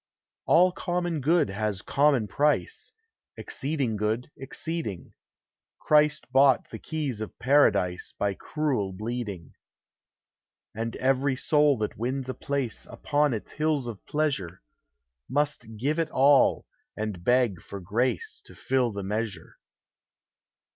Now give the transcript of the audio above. »& j All common good has common price; Exceeding good, exceeding; Christ bought the keys of Paradise By cruel bleeding; And every soul that wins a place Upon its hills of pleasure, Must give it all, and beg for grace To fill the measure.